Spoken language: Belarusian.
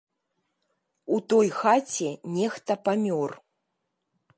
У той хаце нехта памёр.